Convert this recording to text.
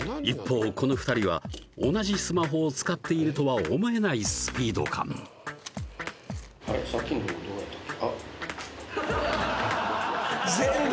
一方この２人は同じスマホを使っているとは思えないスピード感あれ？